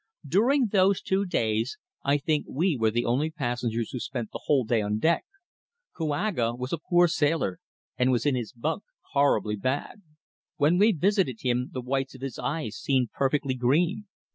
During those two days I think we were the only passengers who spent the whole day on deck. Kouaga was a poor sailor and was in his bunk horribly bad. When we visited him the whites of his eyes seemed perfectly green.